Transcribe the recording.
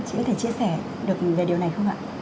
chị có thể chia sẻ được về điều này không ạ